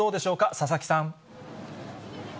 佐々木さん。